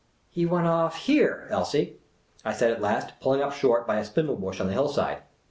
" He went off here, Elsie !" I said at last, pulling up .short by a spindle bush on the hillside.